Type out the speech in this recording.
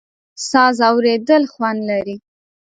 ساز اورېدل خوند لري.